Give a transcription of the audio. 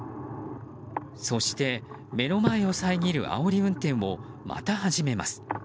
そして、目の前を遮るあおり運転をまた始めます。